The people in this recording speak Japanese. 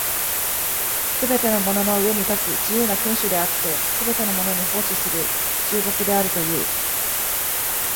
すべてのものの上に立つ自由な君主であって、すべてのものに奉仕する従僕であるという。